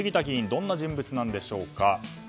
どんな人物なんでしょうか。